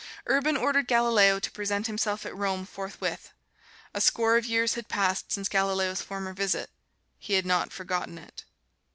Urban ordered Galileo to present himself at Rome forthwith. A score of years had passed since Galileo's former visit he had not forgotten it.